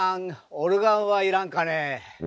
オルガンはいらんかね？